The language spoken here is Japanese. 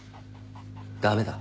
駄目だ。